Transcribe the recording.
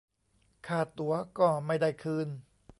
ค่าตั๋วก็ไม่ได้คืน